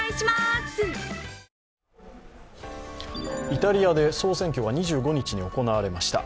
イタリアで総選挙が２５日に行われました。